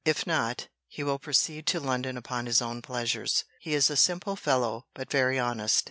If not, he will proceed to London upon his own pleasures. He is a simple fellow; but very honest.